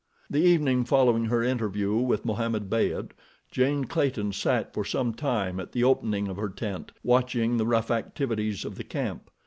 The evening following her interview with Mohammed Beyd, Jane Clayton sat for some time at the opening of her tent watching the rough activities of the camp.